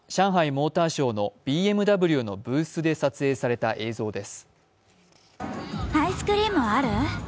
モーターショーのＢＭＷのブースで撮影された映像です